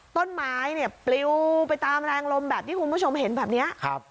ต้นไม้เนี่ยปลิวไปตามแรงลมแบบที่คุณผู้ชมเห็นแบบนี้